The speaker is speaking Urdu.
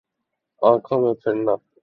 آنکھوں میں پھرنا